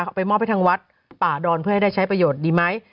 เขาไปมอบให้ทางวัดป่าดอนเพื่อให้ได้ใช้ประโยชน์ดีไหม